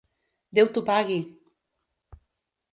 Déu t'ho pagui!